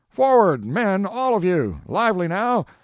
"Forward, men, all of you! Lively, now!